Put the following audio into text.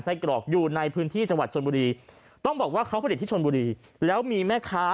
กรอกอยู่ในพื้นที่จังหวัดชนบุรีต้องบอกว่าเขาผลิตที่ชนบุรีแล้วมีแม่ค้า